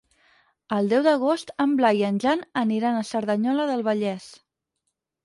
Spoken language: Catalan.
El deu d'agost en Blai i en Jan aniran a Cerdanyola del Vallès.